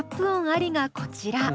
音ありがこちら。